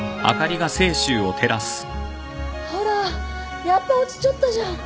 ほらやっぱ落ちちょったじゃん。